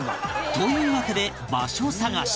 というわけで場所探し